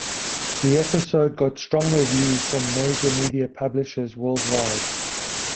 The episode got strong reviews from major media publishers worldwide.